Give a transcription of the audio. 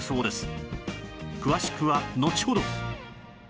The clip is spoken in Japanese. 詳しくはのちほど